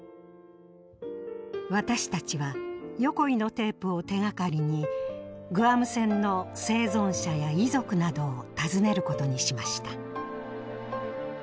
私たちは横井のテープを手がかりにグアム戦の生存者や遺族などを訪ねることにしました。